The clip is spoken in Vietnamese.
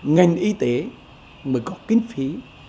ngành y tế mới có kinh phí